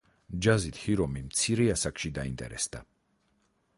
ჯაზით ჰირომი მცირე ასაკში დაინტერესდა.